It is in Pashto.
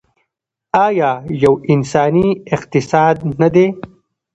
آیا یو انساني اقتصاد نه دی؟